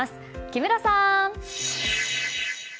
木村さん！